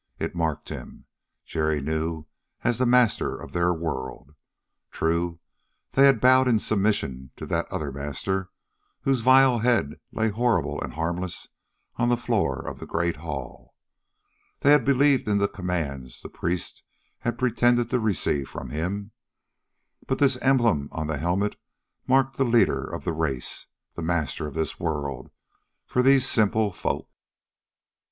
It marked him, Jerry knew, as the master of their world. True, they had bowed in submission to that other master, whose vile head lay horrible and harmless on the floor of the great hall they had believed in the commands the priests had pretended to receive from him but this emblem on the helmet marked the leader of the race, the master of this world, for these simple folk.